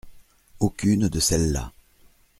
Aucune de celles-là.